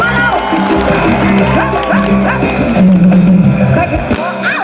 ถ้าจะเต้นขนาดนี้เต้นคนเดียวไปเลยขอเตรียมความมือในช่าง